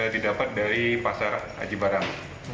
didapat dari pasar aji barang